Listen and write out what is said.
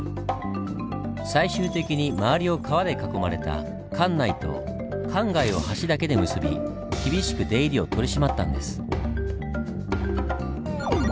最終的に周りを川で囲まれた関内と関外を橋だけで結び厳しく出入りを取り締まったんです。